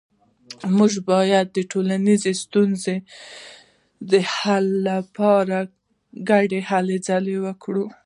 موږ باید د ټولنیزو ستونزو د حل لپاره په ګډه هلې ځلې وکړو